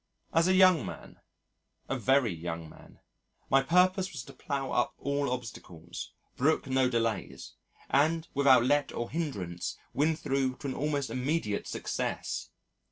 As a young man a very young man my purpose was to plough up all obstacles, brook no delays, and without let or hindrance win through to an almost immediate success!